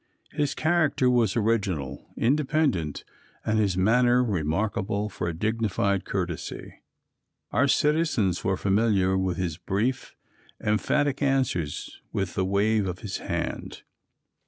His character was original, independent, and his manners remarkable for a dignified courtesy. Our citizens were familiar with his brief, emphatic answers with the wave of his hand.